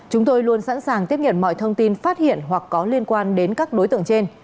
chúng tôi luôn sẵn sàng tiếp nhận mọi thông tin phát hiện hoặc có liên quan đến các đối tượng trên